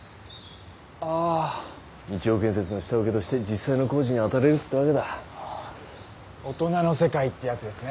あ日央建設の下請けとして実際の工事に当たれるってわけだ大人の世界ってやつですね